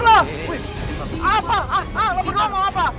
lo berdua mau apa